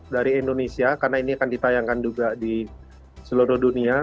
dari indonesia karena ini akan ditayangkan juga di seluruh dunia